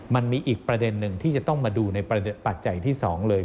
มันมีอีกประเด็นหนึ่งที่จะต้องมาดูในปัจจัยที่๒เลย